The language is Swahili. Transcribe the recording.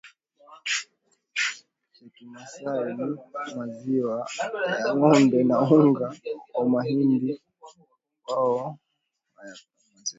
cha Kimasai ni maziwa ya ngombe na unga wa mahindi Wao huyanywa maziwa pekee